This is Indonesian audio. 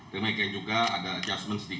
dan mereka juga ada adjustment sedikit